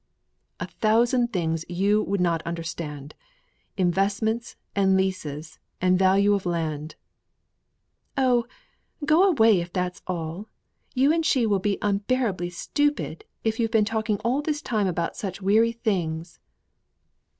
"A thousand things you would not understand: Investments, and leases, and value of land." "Oh, go away if that's all. You and she will be unbearably stupid, if you've been talking all this time about such weary things."